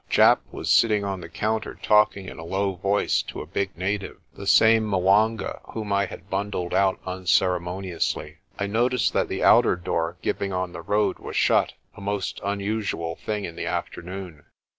Japp was sitting on the counter talking in a low voice to a big native the same 'Mwanga whom I had bundled out unceremoniously. I noticed that the outer door giving on the road was shut, a most unusual thing in the afternoon.